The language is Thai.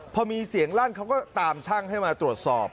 พอมีเสียงลั่นเขาก็ตามช่างให้มาตรวจสอบ